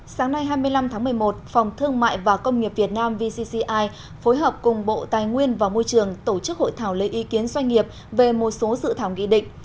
sáng nay hai mươi năm tháng một mươi một phòng thương mại và công nghiệp việt nam vcci phối hợp cùng bộ tài nguyên và môi trường tổ chức hội thảo lấy ý kiến doanh nghiệp về một số dự thảo nghị định